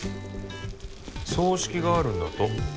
葬式があるんだと。